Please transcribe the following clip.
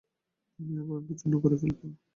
আমি এই আবরণকে চূর্ণ করে ফেলবো!